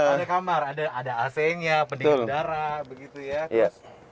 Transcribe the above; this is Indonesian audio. ada kamar ada ac nya pendingin darah begitu ya